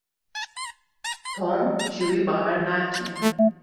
Tom ji wî bawer nake.